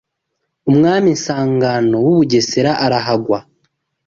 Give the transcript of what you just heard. umwami Sangano w’u Bugesera arahagwa